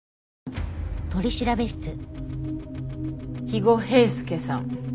肥後平助さん。